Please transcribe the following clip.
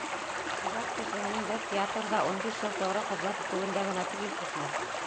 Ижад кешеһенең бер театрҙа ун биш йыл тоғро хеҙмәт итеүендә генә түгел хикмәт.